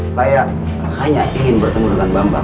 saya hanya ingin bertemu dengan bambang